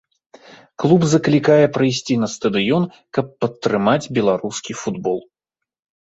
Клуб заклікае прыйсці на стадыён, каб падтрымаць беларускі футбол.